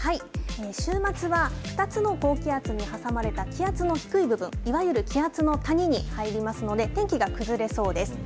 週末は２つの高気圧に挟まれた気圧の低い部分いわゆる気圧の谷に入りますので天気が崩れそうです。